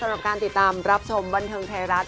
สำหรับการติดตามรับชมบันเทิงไทยรัฐ